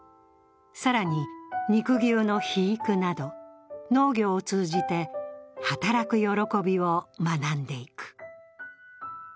更に肉牛の肥育など、農業を通じて働く喜びを学んでいく。